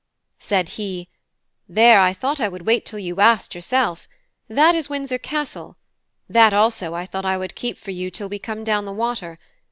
Said he: "There, I thought I would wait till you asked, yourself. That is Windsor Castle: that also I thought I would keep for you till we come down the water.